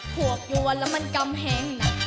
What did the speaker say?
พวกหยวนแล้วมันกำแหงหนัก